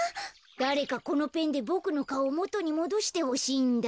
だれかこのペンでボクのかおをもとにもどしてほしいんだ。